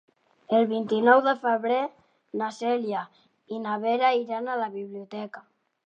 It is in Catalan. El vint-i-nou de febrer na Cèlia i na Vera iran a la biblioteca.